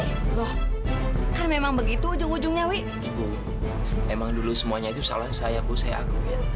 loh kan memang begitu ujung ujungnya wi ibu emang dulu semuanya itu salah saya bu saya aku ya